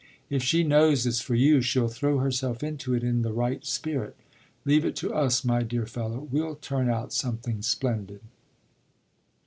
If she knows it's for you she'll throw herself into it in the right spirit. Leave it to us, my dear fellow; we'll turn out something splendid."